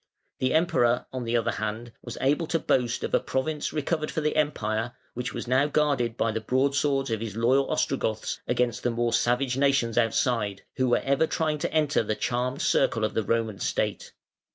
The Emperor, on the other hand, was able to boast of a province recovered for the Empire, which was now guarded by the broadswords of his loyal Ostrogoths against the more savage nations outside, who were ever trying to enter the charmed circle of the Roman State.